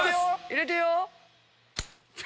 入れてよ！